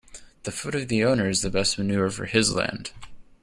The foot of the owner is the best manure for his land.